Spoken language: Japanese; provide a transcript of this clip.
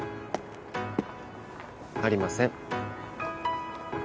ありません。